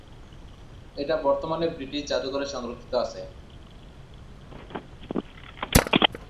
এটা বর্তমানে ব্রিটিশ জাদুঘরে সংরক্ষিত আছে।